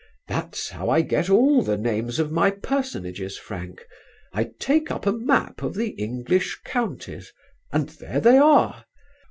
That's how I get all the names of my personages, Frank. I take up a map of the English counties, and there they are.